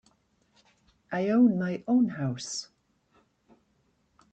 I own my own house.